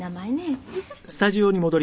フフフフ。